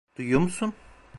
Duyuyor musun?